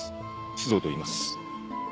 須藤といいます。